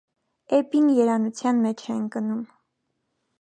Էբբին երանության մեջ է ընկնում։